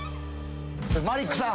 マリックさん